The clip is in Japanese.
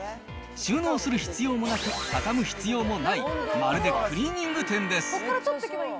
収納する必要もなく、畳む必要もない、まるでクリーニング店です。